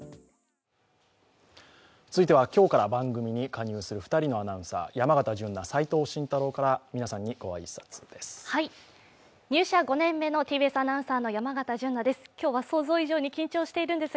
続いては今日から番組に加わる２人のアナウンサー山形純菜、齋藤慎太郎から皆さんにご挨拶です。